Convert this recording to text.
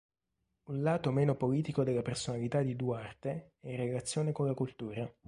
Un lato meno politico della personalità di Duarte è in relazione con la cultura.